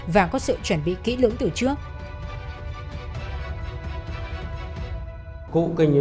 và có sự chuẩn bị kỹ lưỡng từ trước